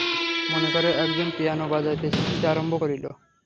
মনে কর, একজন পিয়ানো বাজাইতে শিখিতে আরম্ভ করিল।